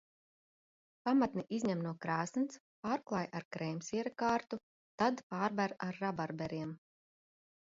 Pamatni izņem no krāsns, pārklāj ar krēmsiera kārtu, tad pārber ar rabarberiem.